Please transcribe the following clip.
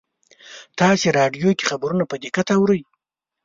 تاسې راډیو کې خبرونه په دقت اورئ